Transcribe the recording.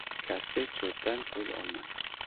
Kassir cho‘tdan ko‘z olmadi.